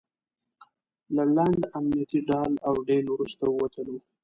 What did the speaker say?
له لنډ امنیتي ډال او ډیل وروسته ووتلو.